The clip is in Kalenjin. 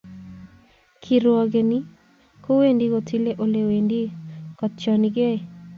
Kirwogeni kowendi kotilei ole wendi kotokchinigei.